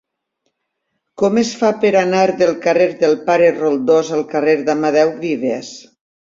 Com es fa per anar del carrer del Pare Roldós al carrer d'Amadeu Vives?